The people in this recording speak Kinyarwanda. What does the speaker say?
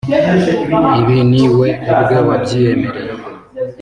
Ibi ni we ubwe wabyiyemereye